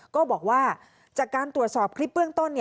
ก็บอกว่าจากการตรวจสอบคลิปเบื้องต้น